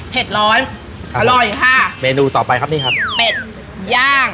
ร้อนอร่อยค่ะเมนูต่อไปครับนี่ครับเป็ดย่าง